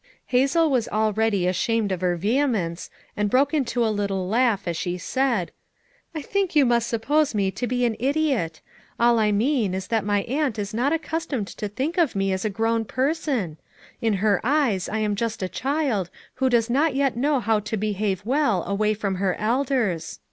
Hazel was already ashamed of her vehe mence, and broke into a little laugh as she said : FOUK MOTHERS AT CHAUTAUQUA 177 "I think you must suppose me to be an idiot. All I mean is that my aunt is not accustomed to think of me as a grown person; in her eyes I am just a child who does not yet know how to behave well away from her elders.